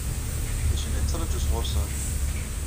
D acu i la yettṛaǧu sɣur-sen?